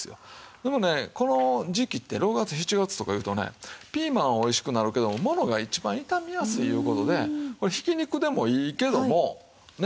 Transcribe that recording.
でもねこの時期って６月７月とかいうとねピーマンはおいしくなるけどもものが一番傷みやすいいう事でこれひき肉でもいいけどもね